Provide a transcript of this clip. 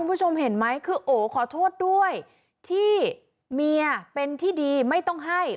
คุณผู้ชมเห็นไหมคือโอขอโทษด้วยที่เมียเป็นที่ดีไม่ต้องให้